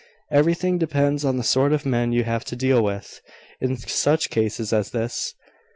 "Everything depends on the sort of men you have to deal with, in such cases as this.